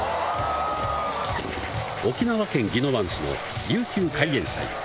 沖縄県宜野湾市の琉球海炎祭。